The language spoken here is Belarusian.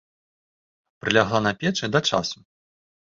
Прылягла на печы да часу.